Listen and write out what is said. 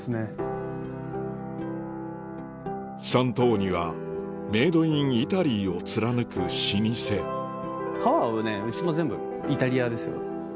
サントーニはメイドインイタリーを貫く老舗革はねうちも全部イタリアですよ。